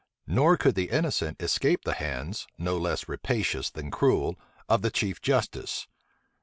Nor could the innocent escape the hands, no less rapacious than cruel, of the chief justice.